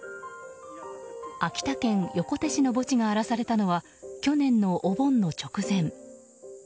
秋田県横手市の墓地が荒らされたのは去年のお盆の直前。